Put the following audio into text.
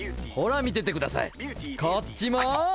ほら見ててくださいこっちも。